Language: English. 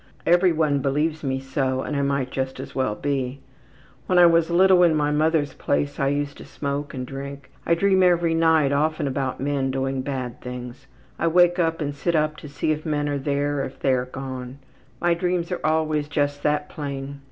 Everyone believes me so and I might just as well be. When I was little in my mother's place I used to smoke and drink. I dream every night often about men doing bad things. I wake up and sit up to see if men are there or if they are gone. My dreams are always just that plain.